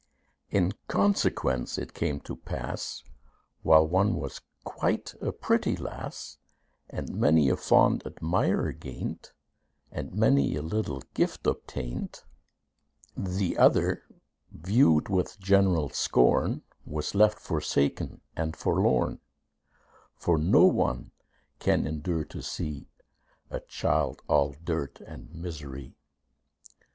In consequence it came to pass, While one was quite a pretty lass, And many a fond admirer gained, And many a little gift obtained; The other, viewed with general scorn, Was left forsaken and forlorn; For no one can endure to see A child all dirt and misery.